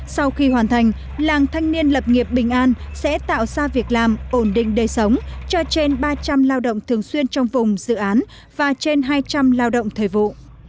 sau khi hoàn thành làng thanh niên lập nghiệp bình an sẽ tạo ra việc làm ổn định đời sống cho trên ba trăm linh lao động thường xuyên trong vùng dự án và trên hai trăm linh lao động thời vụ